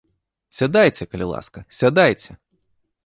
Сядайце, калі ласка, сядайце!